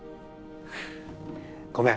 ごめん。